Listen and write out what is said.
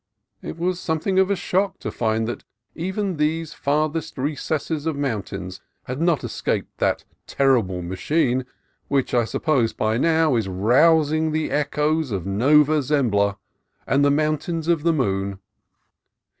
It was something of a shock to find that even these farthest recesses of the mountains had not escaped the terrible machine, which I suppose by now is rousing the echoes of Nova Zembla and the Mountains of the Moon.